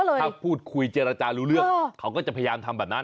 ถ้าพูดคุยเจรจารู้เรื่องเขาก็จะพยายามทำแบบนั้น